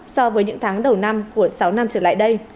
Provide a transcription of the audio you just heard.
so với những tháng đầu năm của sáu năm trở lại đây